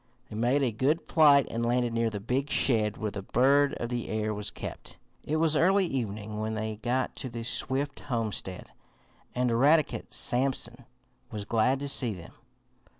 They made a good flight and landed near the big shed where the bird of the air was kept. It was early evening when they got to the Swift homestead, and Eradicate Sampson was glad to see them.